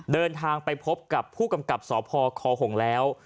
เดินทางไปพบกับผู้กำกับสพคหงแล้ว